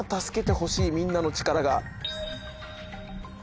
みんなの力が。